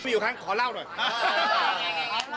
อยู่ข้างขอเล่าหน่อย